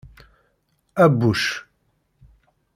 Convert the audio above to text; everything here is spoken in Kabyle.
Abbuc.